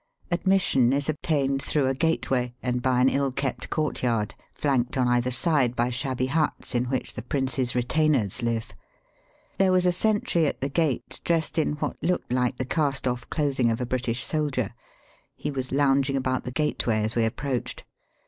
Admission is obtained through a gateway and by an ill kept court yard, flanked on either side by shabby huts in which the prince's retainers live. There was a sentry at the gate dressed in what looked like the cast off clothing of a British soldier. He was lounging about the gateway as we approached.